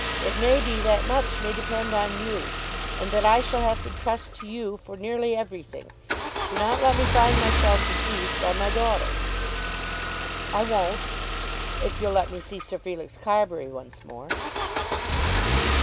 It may be that much may depend on you, and that I shall have to trust to you for nearly everything. Do not let me find myself deceived by my daughter." "I won't, if you'll let me see Sir Felix Carbury once more."